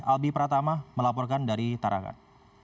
albi pratama melaporkan dari tarakan